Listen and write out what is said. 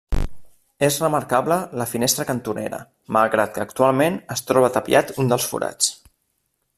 És remarcable la finestra cantonera, malgrat que actualment es troba tapiat un dels forats.